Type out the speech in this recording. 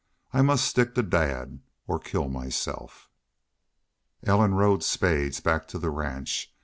I must stick to Dad.... or kill myself?" Ellen rode Spades back to the ranch.